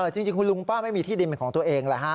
จริงคุณลุงป้าไม่มีที่ดินเป็นของตัวเองแหละฮะ